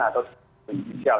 atau komisi jisial